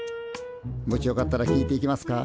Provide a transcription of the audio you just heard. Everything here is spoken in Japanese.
もしよかったら聞いていきますか？